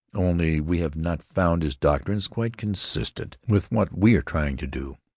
Only, we have not found his doctrines quite consistent with what we are trying to do.